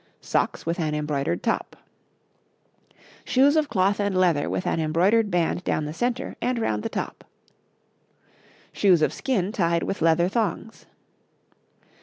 Socks with an embroidered top. Shoes of cloth and leather with an embroidered band down the centre and round the top. Shoes of skin tied with leather thongs.